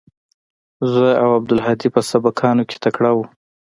زه او عبدالهادي په سبقانو کښې تکړه وو.